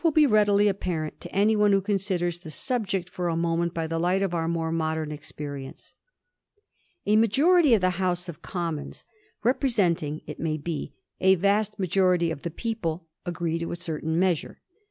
!• be readily apparent to any one who considers the sub ject for a moment by the light of our more modem experience. A majority of the House of Commons^ representing, it may be, a vast majority of the people, agree to a certain measure.